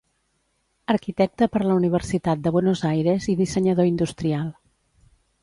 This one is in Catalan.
Arquitecte per la Universitat de Buenos Aires i dissenyador industrial.